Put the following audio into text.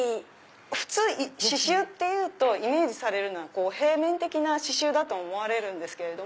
普通刺繍っていうとイメージされるのは平面的な刺繍だと思われるんですけれども。